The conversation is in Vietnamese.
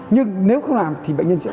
nhưng nếu không làm thì bệnh nhân sẽ hy sinh